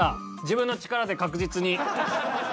自分の力で確実に。